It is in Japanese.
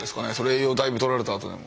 栄養だいぶ取られたあとでも。